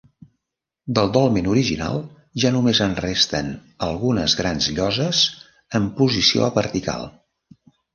Del dolmen original ja només en resten algunes grans lloses en posició vertical.